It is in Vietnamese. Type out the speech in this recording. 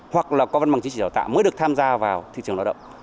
hoặc là có văn bằng chính trị đào tạo mới được tham gia vào thị trường lao động